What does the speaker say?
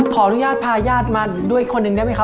ขออนุญาตพาญาติมาด้วยคนหนึ่งได้ไหมคะ